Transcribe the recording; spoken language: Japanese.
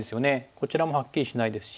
こちらもはっきりしないですし。